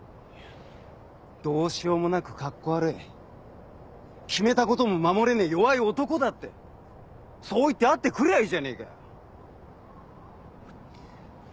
どうしようもなくカッコ悪い決めたことも守れねえ弱い男だってそう言って会ってくりゃいいじゃねえか。